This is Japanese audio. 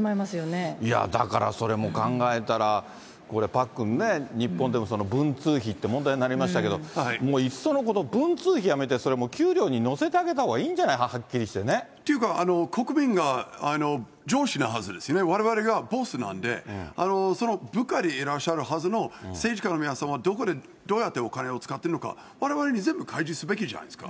だからそれも考えたら、これ、パックンね、日本でも文通費って問題になりましたけれども、もういっそのこと文通費やめて、それも給料に乗せてあげたほうがいいんじゃないの、はっきりしてっていうか、国民が上司なはずですよね、われわれがボスなんで、その部下でいらっしゃるはずの政治家の皆さんはどこでどうやってお金を使っているのか、われわれに全部開示すべきじゃないですか。